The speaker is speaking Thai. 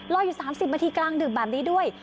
รอยอยู่๓๐มกลางดึกแบบนี้ด้วย